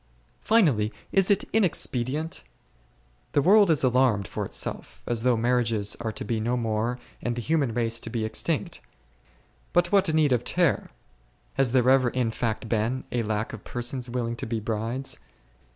(3.) Finally, is it inexpedient ? The world is alarmed for itself, as though marriages are to be no more and the human race to be extinct. But what need of terror; has there ever in fact been a lack of persons willing to be brides